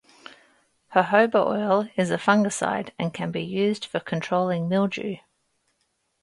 Jojoba oil is a fungicide, and can be used for controlling mildew.